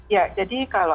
ya jadi kalau